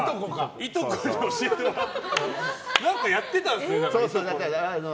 やってたんですね。